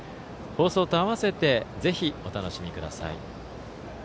放送と併せてぜひお楽しみください。